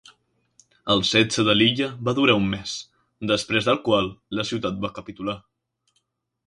El setge de Lilla va durar un mes, després del qual la ciutat va capitular.